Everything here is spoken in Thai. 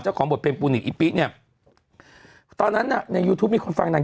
ของบทเพลงปูนิกอิปิเนี่ยตอนนั้นน่ะในยูทูปมีคนฟังนาง